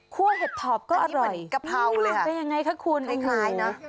คั่วเห็ดทอบก็อร่อยเป็นยังไงคะคุณ